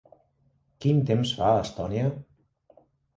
Quin temps fa a Estònia?